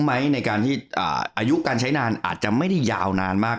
ไหมในการที่อายุการใช้นานอาจจะไม่ได้ยาวนานมาก